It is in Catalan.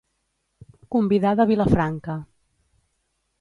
Convidar de Vilafranca.